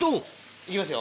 行きますよ。